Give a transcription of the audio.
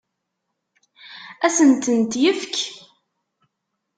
Ad asen-tent-yefk?